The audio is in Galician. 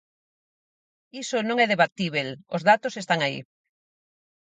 Iso non é debatíbel, os datos están aí.